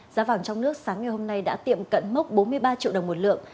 giá vàng trong nước sáng ngày hôm nay đã tiệm cận mốc bốn mươi ba triệu đồng một lượng